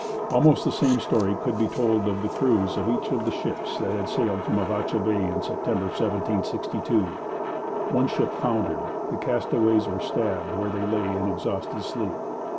Almost the same story could be told of the crews of each of the ships that had sailed from Avacha Bay in September 1762. One ship foundered. The castaways were stabbed where they lay in exhausted sleep.